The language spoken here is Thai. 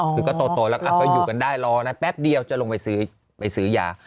คือก็โตแล้วก็อยู่กันได้รอนะแป๊บเดียวจะลงไปซื้อไปซื้อยา